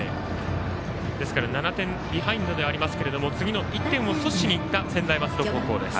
ですから７点ビハインドではありますが次の１点を阻止しにいった専大松戸高校です。